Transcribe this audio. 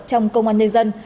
trong công an nhân dân